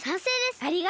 ありがとう。